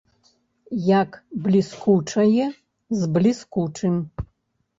Як бліскучае з бліскучым.